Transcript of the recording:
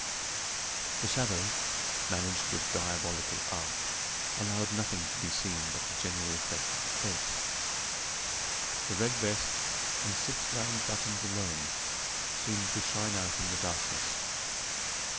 The shadows, managed with diabolical art, allowed nothing to be seen but the general effect of the face. The red vest, and six round buttons alone, seemed to shine out in the darkness.